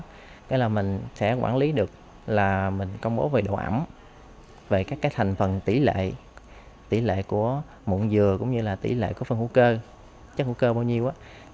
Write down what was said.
thế là mình sẽ quản lý được là mình công bố về độ ẩm về các cái thành phần tỷ lệ tỷ lệ của mụn dừa cũng như là tỷ lệ của phân hữu cơ chất hữu cơ bao nhiêu